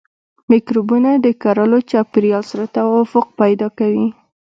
مکروبونه د کرلو چاپیریال سره توافق پیدا کوي.